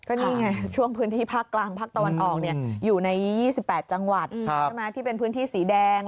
ก็นี่ไงช่วงพื้นที่ภาคกลางภาคตะวันออกอยู่ใน๒๘จังหวัดใช่ไหมที่เป็นพื้นที่สีแดง